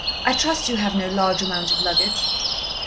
I trust you have no large amount of luggage."